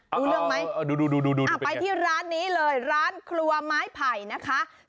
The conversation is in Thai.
รู้เรื่องไหมไปที่ร้านนี้เลยร้านครัวไม้ไผ่นะคะดูดูดูเป็นไง